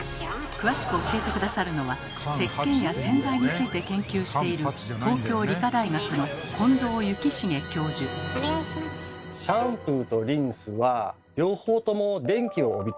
詳しく教えて下さるのはせっけんや洗剤について研究しているシャンプーとリンスは両方とも電気を帯びています。